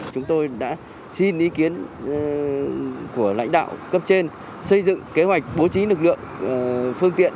chúng tôi đã xin ý kiến của lãnh đạo cấp trên xây dựng kế hoạch bố trí lực lượng phương tiện